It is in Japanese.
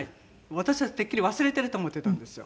私はてっきり忘れてると思ってたんですよ